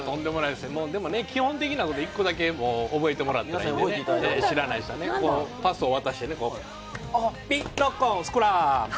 基本的なことを１個だけ覚えてもらったらいいんで、知らない人はパスを渡して、ピッ、ノックオン、スクラム。